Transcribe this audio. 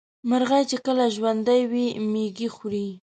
مرغۍ چې کله ژوندۍ وي مېږي خوري.